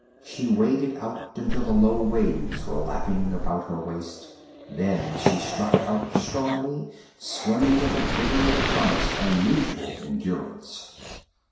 She waded out until the low waves were lapping about her waist; then she struck out strongly, swimming with a vigor that promised unusual endurance.